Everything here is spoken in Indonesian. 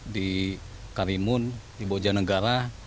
di karimun di bojanegara